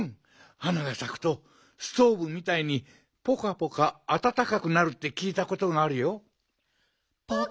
花がさくとストーブみたいにぽかぽかあたたかくなるってきいたことがあるよ。